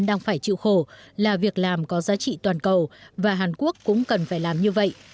đang phải chịu khổ là việc làm có giá trị toàn cầu và hàn quốc cũng cần phải làm như vậy